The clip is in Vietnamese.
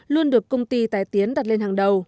luôn được công ty tài tiến đặt lên hàng đầu